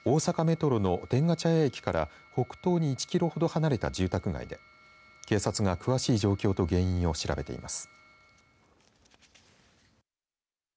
現場は、大阪メトロの天下茶屋駅から北東に１キロほど離れた住宅街で警察は詳しい状況と原因を調べています。